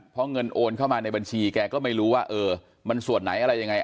เพราะเงินโอนเข้ามาในบัญชีแกก็ไม่รู้ว่าเออมันส่วนไหนอะไรยังไง